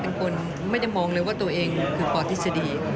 เป็นคนไม่ได้มองเลยว่าตัวเองคือปทฤษฎี